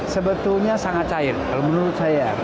sebetulnya sangat cair kalau menurut saya